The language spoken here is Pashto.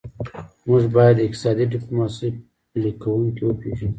موږ باید د اقتصادي ډیپلوماسي پلي کوونکي وپېژنو